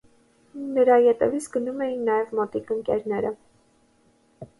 Նրա ետևից գնում են նաև մոտիկ ընկերները։